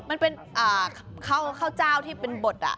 มันเป็นข้าวเจ้าที่เป็นบท